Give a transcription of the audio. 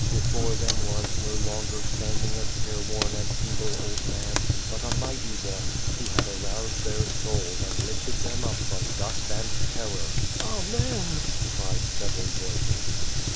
Before them was no longer standing a careworn and feeble old man, but a mighty one, who had aroused their souls and lifted them up from dust and terror. Amen!" cried several voices.